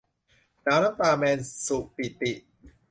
หนาวน้ำตา - แมน สุปิติ